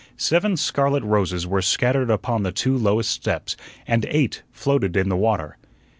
Seven scarlet roses were scattered upon the two lowest steps, and eight floated in the water.